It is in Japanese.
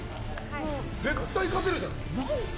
絶対勝てるじゃん。